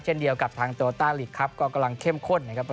เช่นเดียวกับทางโตต้าลีกครับก็กำลังเข้มข้นนะครับ